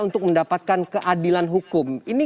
untuk mendapatkan keadilan hukum